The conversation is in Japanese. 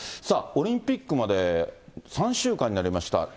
さあ、オリンピックまで３週間になりました。